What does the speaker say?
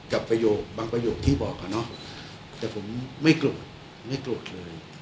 ประโยคบางประโยคที่บอกอะเนาะแต่ผมไม่โกรธไม่โกรธเลย